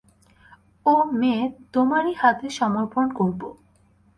ও মেয়ে তোমারই হাতে সমর্পণ করব।